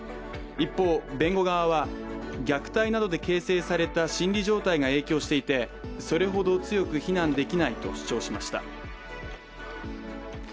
一方、べ子側は虐待などで形成された心理状態が影響していてそれほど強く非難できないと主張しました。